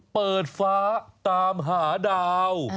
เปิดฟ้าตามหาดาว